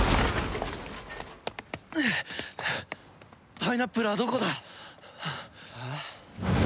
パイナップルはどこだ！？